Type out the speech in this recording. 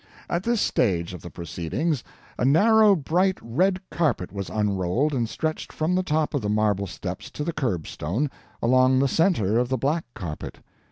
At this stage of the proceedings, a narrow bright red carpet was unrolled and stretched from the top of the marble steps to the curbstone, along the center of the black carpet.